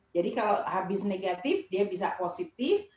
jadi kalau habis negatif dia bisa positif